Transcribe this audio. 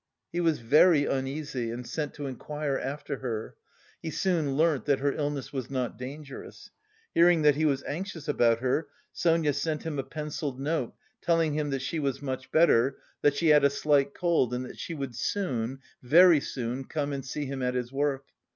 He was very uneasy and sent to inquire after her; he soon learnt that her illness was not dangerous. Hearing that he was anxious about her, Sonia sent him a pencilled note, telling him that she was much better, that she had a slight cold and that she would soon, very soon come and see him at his work.